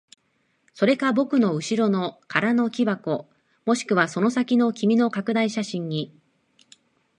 それか僕の後ろの空の木箱、もしくはその先の君の拡大写真に。